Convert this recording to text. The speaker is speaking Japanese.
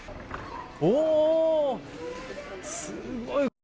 おお、すごい。